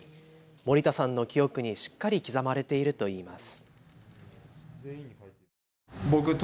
盛田さんの記憶にしっかり刻まれているといいます。